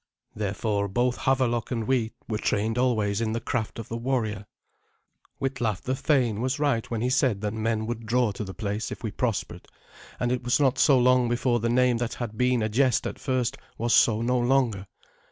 Therefore both Havelok and we were trained always in the craft of the warrior. Witlaf the thane was right when he said that men would draw to the place if we prospered, and it was not so long before the name that had been a jest at first was so no longer.